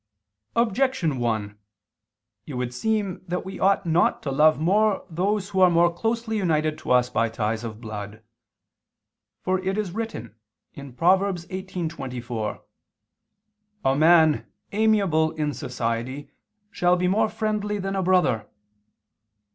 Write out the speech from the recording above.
Objection 1: It would seem that we ought not to love more those who are more closely united to us by ties of blood. For it is written (Prov. 18:24): "A man amiable in society, shall be more friendly than a brother."